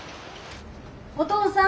お父さん。